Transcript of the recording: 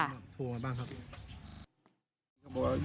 โทรมาบ้างครับ